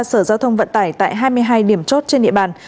sở giao thông vận tải tại hai mươi hai điểm chốt trên địa bàn